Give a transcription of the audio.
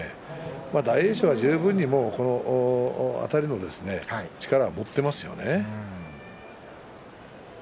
大栄翔は十分にあたりの力は持ってますよね。